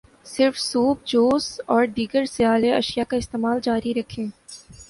صرف soup, juice, اور دیگر سیال اشیاء کا استعمال جاری رکھیں